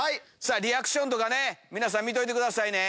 リアクションとかね皆さん見ておいてくださいね。